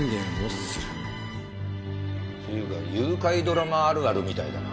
っていうか誘拐ドラマあるあるみたいだな。